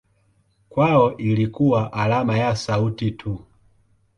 Kwao ilikuwa alama ya sauti tu.